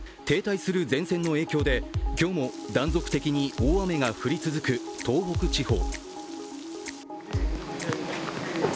停滞する前線の影響で、今日も断続的に大雨が降り続く、東北地方。